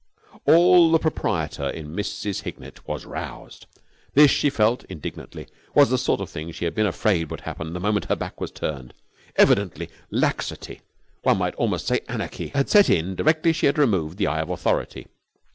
All the proprietor in Mrs. Hignett was roused. This, she felt indignantly, was the sort of thing she had been afraid would happen the moment her back was turned. Evidently laxity one might almost say anarchy had set in directly she had removed the eye of authority.